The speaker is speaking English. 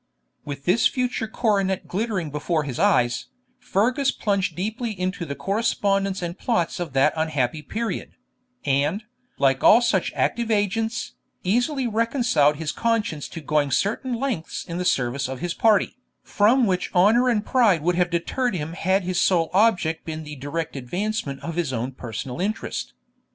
With this future coronet glittering before his eyes, Fergus plunged deeply into the correspondence and plots of that unhappy period; and, like all such active agents, easily reconciled his conscience to going certain lengths in the service of his party, from which honour and pride would have deterred him had his sole object been the direct advancement of his own personal interest.